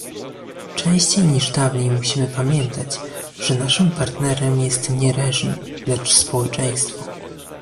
Częściej niż dawniej musimy pamiętać, że naszym partnerem jest nie reżim, lecz społeczeństwo